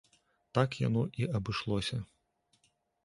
Так яно і абышлося.